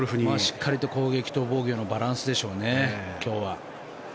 しっかりと攻撃と防御のバランスでしょうね、今日は。